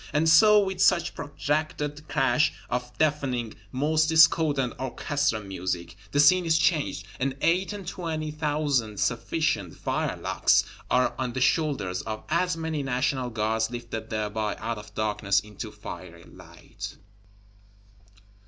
And so, with such protracted crash of deafening, most discordant Orchestra music, the Scene is changed; and eight and twenty thousand sufficient firelocks are on the shoulders of as many National Guards, lifted thereby out of darkness into fiery light.